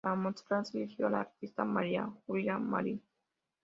Para Montserrat se eligió a la artista María Julia Marín.